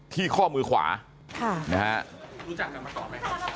ข้อมือขวาค่ะนะฮะรู้จักกันมาก่อนไหมครับ